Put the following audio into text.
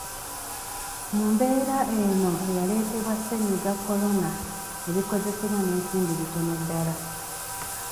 Mu mbeera eno eyaleetebwa ssenyiga Kolona, ebikozesebwa n'ensimbi bitono ddala.